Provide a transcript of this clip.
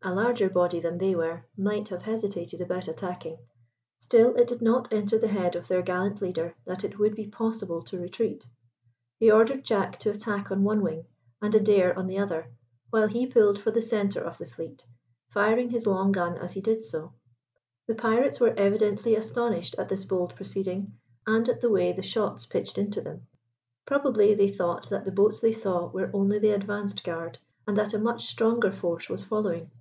A larger body than they were might have hesitated about attacking; still it did not enter the head of their gallant leader that it would be possible to retreat. He ordered Jack to attack on one wing and Adair on the other, while he pulled for the centre of the fleet, firing his long gun as he did so. The pirates were evidently astonished at this bold proceeding, and at the way the shots pitched into them. Probably they thought that the boats they saw were only the advanced guard, and that a much stronger force was following.